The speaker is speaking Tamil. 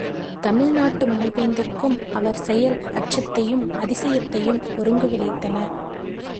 தமிழ்நாட்டு மூவேந்தர்க்கும் அவர் செயல் அச்சத்தையும் அதிசயத்தையும் ஒருங்கு விளைத்தன.